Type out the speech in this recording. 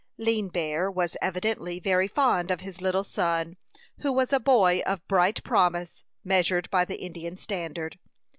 Lean Bear was evidently very fond of his little son, who was a boy of bright promise, measured by the Indian standard.